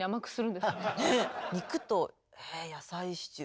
「肉と野菜シチュー」